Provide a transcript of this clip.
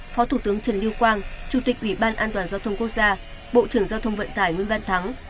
phó thủ tướng trần lưu quang chủ tịch ủy ban an toàn giao thông quốc gia bộ trưởng giao thông vận tải nguyễn văn thắng